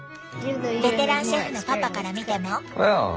ベテランシェフのパパから見ても？